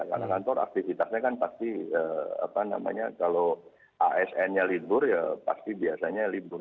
karena kantor aktivitasnya kan pasti apa namanya kalau asn nya libur ya pasti biasanya libur